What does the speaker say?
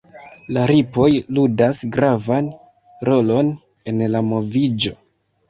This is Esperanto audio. La ripoj ludas gravan rolon en la moviĝo.